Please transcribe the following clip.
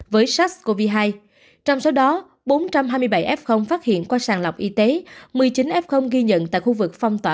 với sars cov hai trong số đó bốn trăm hai mươi bảy f phát hiện qua sàng lọc y tế một mươi chín f ghi nhận tại khu vực phong tỏa